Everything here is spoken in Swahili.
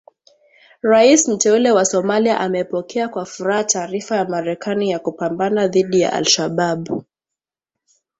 Rais Mteule wa Somalia amepokea kwa furaha taarifa ya Marekani ya kupambana dhidi ya Al Shabaab.